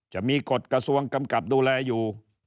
จะมีกฎกระทรวงกำกับดูแลอยู่